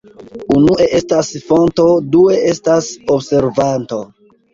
Unue estas fonto, due estas observanto.